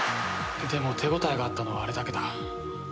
でも手応えがあったのはあれだけだ。